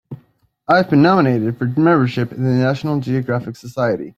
I've been nominated for membership in the National Geographic Society.